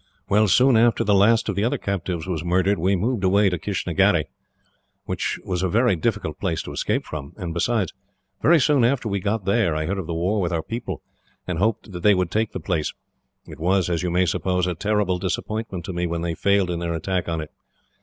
"Well, soon after the last of the other captives was murdered, we moved away to Kistnagherry, which was a very difficult place to escape from; and besides, very soon after we got there, I heard of the war with our people, and hoped that they would take the place. It was, as you may suppose, a terrible disappointment to me when they failed in their attack on it.